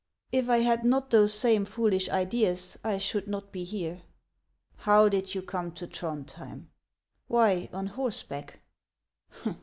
" If I had not those same foolish ideas, I should not be here." " How did you come to Trondhjem?" " Why, on horseback."